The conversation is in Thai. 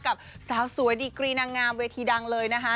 กับสาวสวยดีกรีนางงามเวทีดังเลยนะคะ